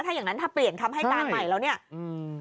ถ้าอย่างนั้นถ้าเปลี่ยนคำให้การใหม่แล้วเนี่ยอืม